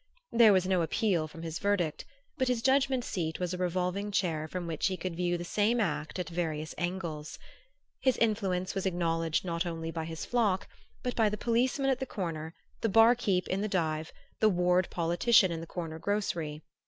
There was no appeal from his verdict; but his judgment seat was a revolving chair from which he could view the same act at various angles. His influence was acknowledged not only by his flock, but by the policeman at the corner, the "bar keep'" in the dive, the ward politician in the corner grocery.